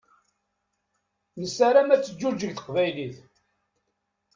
Nessaram ad teǧǧuǧeg teqbaylit.